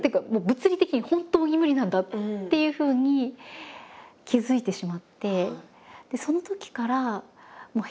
物理的に本当に無理なんだっていうふうに気付いてしまって。